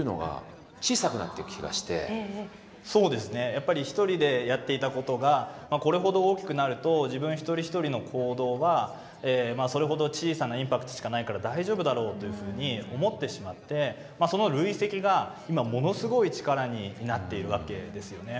やっぱり一人でやっていたことがこれほど大きくなると自分一人一人の行動はそれほど小さなインパクトしかないから大丈夫だろうというふうに思ってしまってその累積が今ものすごい力になっているわけですよね。